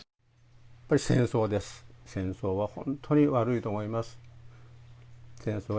やっぱり戦争です、戦争は本当に悪いと思います。